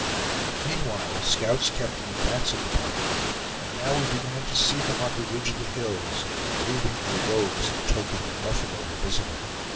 Meanwhile scouts kept in advance of the party; and now we began to see them on the ridge of the hills, waving their robes in token that buffalo were visible.